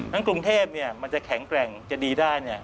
กรุงเทพมันจะแข็งแกร่งจะดีได้